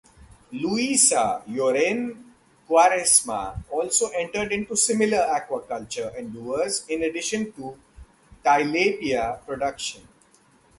Luisa Lloren Cuaresma also entered into similar aquaculture endeavors in addition to tilapia production.